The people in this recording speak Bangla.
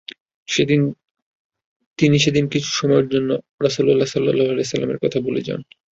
তিনি সেদিন কিছু সময়ের জন্য রাসূল সাল্লাল্লাহু আলাইহি ওয়াসাল্লাম-এর কথা ভুলে যান।